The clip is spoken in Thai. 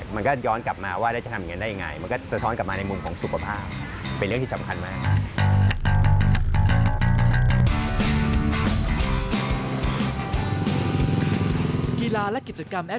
มันก็ย้อนกลับมาว่าจะทำอย่างไร